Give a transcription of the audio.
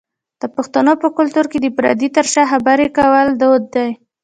د پښتنو په کلتور کې د پردې تر شا خبری کول دود دی.